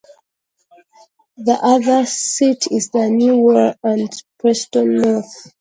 The other seat is the new Wyre and Preston North.